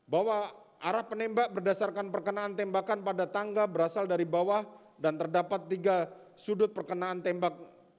bahwa arah penembak berdasarkan perkenaan tembakan pada tangga berasal dari bawah dan terdapat tiga sudut perkenaan tembak